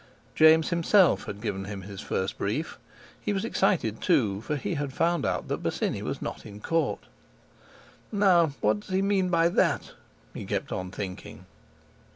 James himself had given him his first brief. He was excited, too, for he had just found out that Bosinney was not in court. "Now, what's he mean by that?" he kept on thinking.